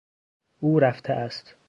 او رفته است.